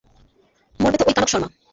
মরবে তো ওই কানক শার্মা।